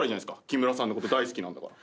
木村さんのこと大好きなんだから。